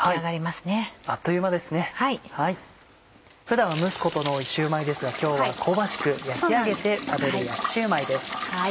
普段は蒸すことの多いシューマイですが今日は香ばしく焼き上げて食べる焼きシューマイです。